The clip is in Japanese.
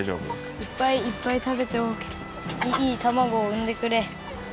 いっぱいいっぱいたべていいたまごをうんでくれ。